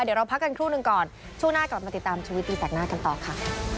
เดี๋ยวเราพักกันครู่หนึ่งก่อนช่วงหน้ากลับมาติดตามชีวิตตีแสกหน้ากันต่อค่ะ